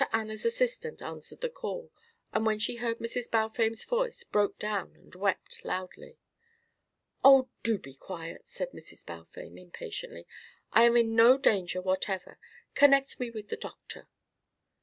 Anna's assistant answered the call, and when she heard Mrs. Balfame's voice broke down and wept loudly. "Oh, do be quiet," said Mrs. Balfame impatiently. "I am in no danger whatever. Connect me with the Doctor."